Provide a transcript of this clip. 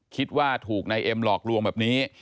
คิดว่าถูกนายเอ็มหลอกลวงแบบนี้